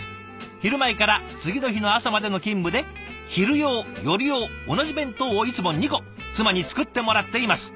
昼前から次の日の朝までの勤務で昼用夜用同じ弁当をいつも２個妻に作ってもらっています。